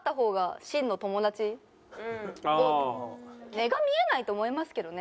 根が見えないと思いますけどね。